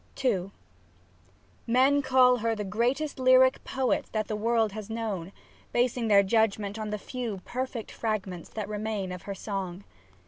SAPPHO II Men call her the greatest lyric poet that the world has known, basing their judgment on the few perfect fragments that remain of her song.